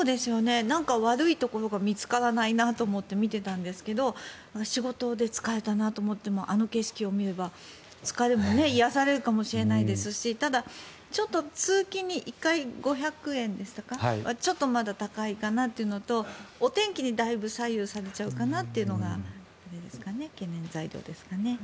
悪いところが見つからないなと思って見てたんですけど仕事で疲れたなと思ってもあの景色を見れば癒やされるかもしれないですしただ、通勤に１回５００円はまだちょっと高いかなというのとお天気にだいぶ左右されちゃうかなというのが懸念材料ですかね。